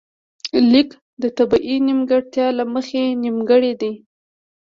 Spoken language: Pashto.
ليک د طبیعي نیمګړتیا له مخې نیمګړی دی